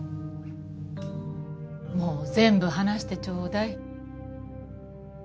もう全部話してちょうだい。